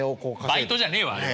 バイトじゃねえわあれ。